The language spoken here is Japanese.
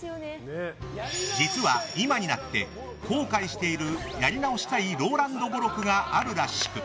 実は、今になって後悔しているやり直したいＲＯＬＡＮＤ語録があるらしく。